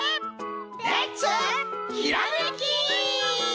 レッツひらめき！